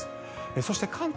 そして、関東